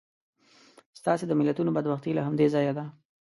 ستاسې د ملتونو بدبختي له همدې ځایه ده.